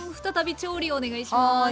再び調理をお願いします。